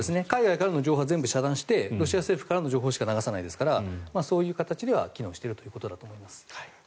海外からの情報は遮断してロシア政府からの情報しか流さないですからそういう形では機能しているということだと思います。